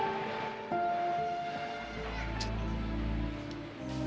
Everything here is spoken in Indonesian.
ya pak haji